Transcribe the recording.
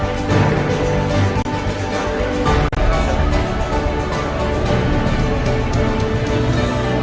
partai bulan bintang